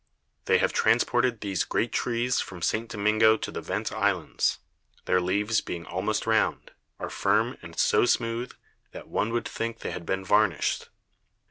They have transported these great Trees from St. Domingo to the Vent Islands; their Leaves being almost round, are firm and so smooth, that one would think they had been varnished.